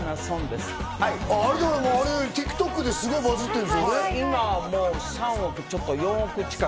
ＴｉｋＴｏｋでバズってるんですよね。